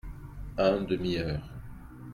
Un demi-heure.